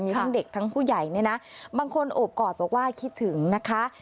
มีทั้งเด็กทั้งผู้ใหญ่เนี่ยนะบางคนโอบกอดบอกว่าคิดถึงนะคะ